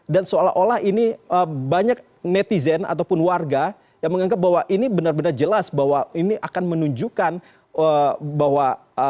dan seolah olah ini banyak netizen ataupun warga yang menganggap bahwa ini benar benar jelas bahwa ini akan menunjukkan bahwa